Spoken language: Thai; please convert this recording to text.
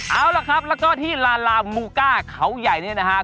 เอาล่ะครับแล้วก็ที่ลาลามูก้าเขาใหญ่เนี่ยนะฮะ